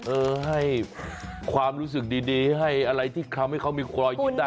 เออให้ความรู้สึกดีให้อะไรที่ทำให้เขามีรอยยิ้มได้